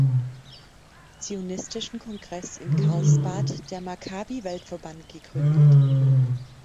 Zionistischen Kongress in Karlsbad der Makkabi-Weltverband gegründet.